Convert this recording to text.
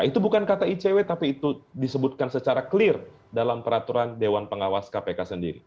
itu bukan kata icw tapi itu disebutkan secara clear dalam peraturan dewan pengawas kpk sendiri